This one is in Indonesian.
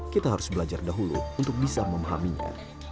kita harus belajar dahulu untuk bisa memahaminya